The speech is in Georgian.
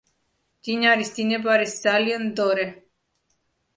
მდინარის დინება არის ძალიან მდორე.